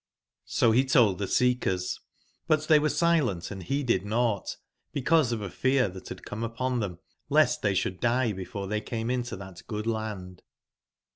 So he told the ecckcre; but tbcywcrc silent & heeded nought, because of a fear that had come upon them, lest they should die before they came into that good land.